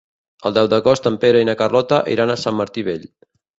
El deu d'agost en Pere i na Carlota iran a Sant Martí Vell.